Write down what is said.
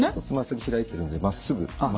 つま先開いてるんでまっすぐ。